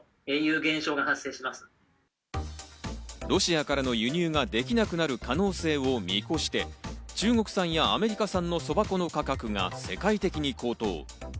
ロシアからの輸入ができなくなる可能性を見越して、中国産やアメリカ産の蕎麦粉の価格が世界的に高騰。